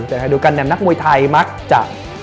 แต่หากดูกันเนี่ยนักมวยไทยมักจะ